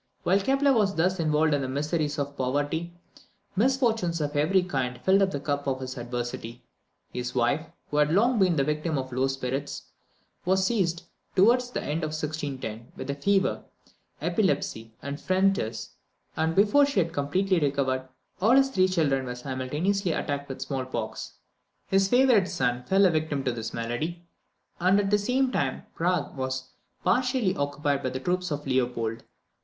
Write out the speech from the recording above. While Kepler was thus involved in the miseries of poverty, misfortunes of every kind filled up the cup of his adversity. His wife, who had long been the victim of low spirits, was seized, towards the end of 1610, with fever, epilepsy, and phrenitis, and before she had completely recovered, all his three children were simultaneously attacked with the smallpox. His favourite son fell a victim to this malady, and at the same time Prague was partially occupied by the troops of Leopold.